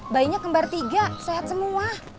bayinya kembar tiga sehat semua